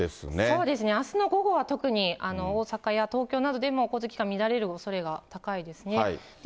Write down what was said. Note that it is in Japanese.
そうですね、あすの午後は特に、大阪や東京などでも交通機関乱れるおそれが高いですね。